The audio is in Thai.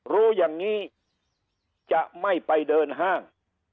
รู้อย่างนี้จะไม่ไปเดินห้าง